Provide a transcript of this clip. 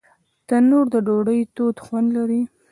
تنور د ډوډۍ تود خوند لري